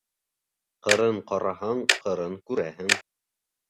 Ҡырын ҡараһаң, ҡырын күрәһең.